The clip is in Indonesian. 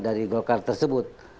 dari golkar tersebut